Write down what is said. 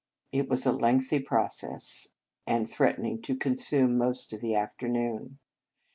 It was a lengthy process, and threatened to consume most of the afternoon.